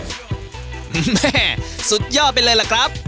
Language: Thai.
แม่สุดยอดไปเลยล่ะครับ